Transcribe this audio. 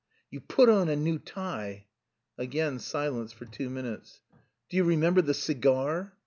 "You put on a new tie..." Again silence for two minutes. "Do you remember the cigar?"